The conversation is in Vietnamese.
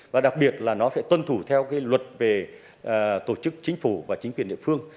và đặc biệt là nó phải tuân thủ theo cái luật về tổ chức chính phủ và chính quyền địa phương